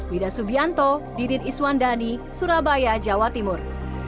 widah subianto didit iswandani surabaya jawa timur